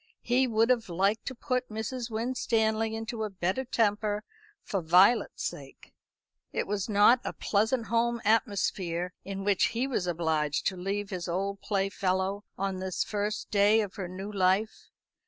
He would have liked to put Mrs. Winstanley into a better temper, for Violet's sake. It was not a pleasant home atmosphere in which he was obliged to leave his old playfellow on this the first day of her new life.